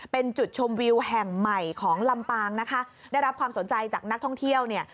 เป็นจุดชมวิวแห่งใหม่ของลำปางนะคะได้รับความสนใจจากนักท่องเที่ยวเนี่ย